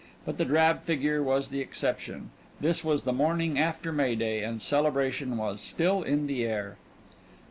But the drab figure was the exception. This was the morning after May Day, and celebration was still in the air.